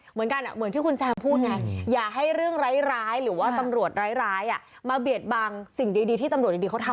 เหมือนกันเหมือนที่คุณแซมพูดนะ